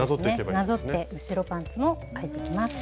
なぞって後ろパンツも描いていきます。